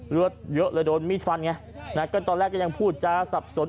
เลือดเยอะเลยโดนมีดฟันไงนะก็ตอนแรกก็ยังพูดจาสับสน